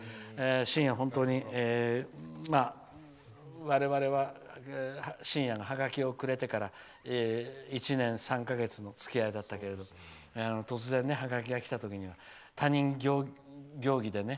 しんや、本当にしんやがハガキをくれてから１年３か月のつきあいだったけど突然、ハガキが来た時には他人行儀でね。